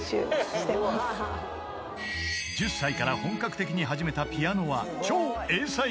［１０歳から本格的に始めたピアノは］